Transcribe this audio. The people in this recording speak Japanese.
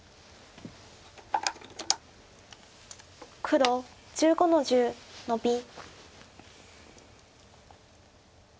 黒１５の十ノビ。